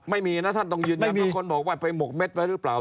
ไม่มีนะท่านต้องยืนเนื่องทุกคนบอกว่าเป็นหมกเม็ดไว้รึเปล่า